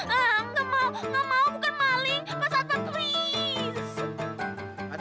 hahaha enggak mau enggak mau bukan maling mas advan please